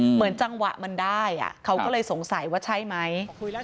เหมือนจังหวะมันได้เขาก็เลยสงสัยว่าใช่ไหม